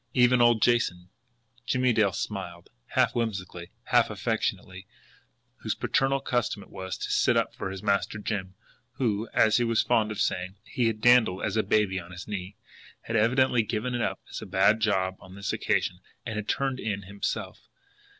Even old Jason Jimmie Dale smiled, half whimsically, half affectionately whose paternal custom it was to sit up for his Master Jim, who, as he was fond of saying, he had dandled as a baby on his knee, had evidently given it up as a bad job on this occasion and had turned in himself.